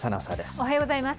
おはようございます。